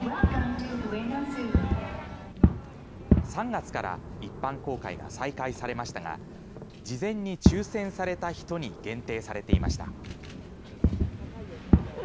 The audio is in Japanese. ３月から一般公開が再開されましたが事前に抽せんされた人に限定されていました。